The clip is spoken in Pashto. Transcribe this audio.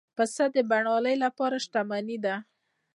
پسه د بڼوال لپاره شتمني ده.